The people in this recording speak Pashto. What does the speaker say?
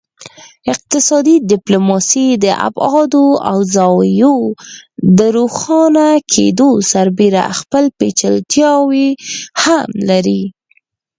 اقتصادي ډیپلوماسي د ابعادو او زاویو د روښانه کیدو سربیره خپل پیچلتیاوې هم لري